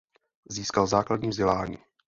Získal základní vzdělání.